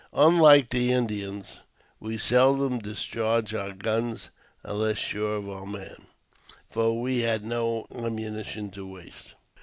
Unlike the Indians, we seldom discharged our guns unless sure of our man, for we had no ammunition to waste.